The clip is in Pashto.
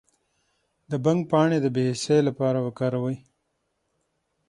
د بنګ پاڼې د بې حسی لپاره وکاروئ